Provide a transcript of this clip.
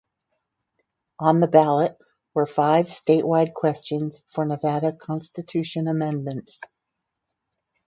On the ballot were five statewide questions for Nevada Constitution amendments.